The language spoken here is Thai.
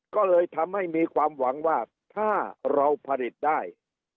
ก็เลยทำให้มีความหวังว่าถ้าเราผลิตได้